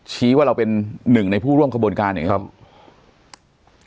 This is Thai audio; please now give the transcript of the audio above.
ชี้ว่าเราเป็นหนึ่งในผู้ร่วมขบวนการอย่างนี้ครับ